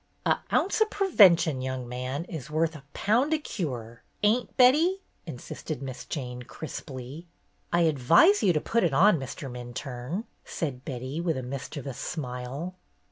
"A ounce o' prevention, young man, is worth a pound o' cure, ain't, Betty ?" insisted Miss Jane, crisply. " I advise you to put it on, Mr. Minturne," said Betty, with a mischievous smile.